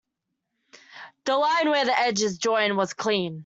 The line where the edges join was clean.